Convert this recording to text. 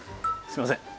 すいません。